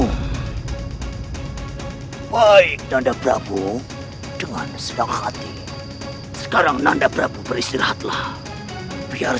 hai baik dan ada beraku dengan sedang hati sekarang nanda prabowo istirahatlah biar